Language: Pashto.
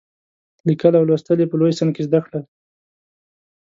لیکل او لوستل یې په لوی سن کې زده کړل.